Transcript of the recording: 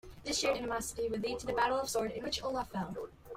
This shared animosity would lead to the Battle of Swold, in which Olaf fell.